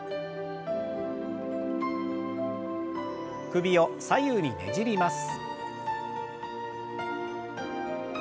首を左右にねじります。